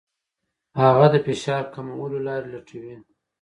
هغه د فشار کمولو لارې لټوي.